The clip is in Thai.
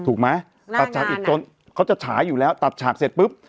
ถูกไหมตัดฉากอีกจนเขาจะฉายอยู่แล้วตัดฉากเสร็จปุ๊บ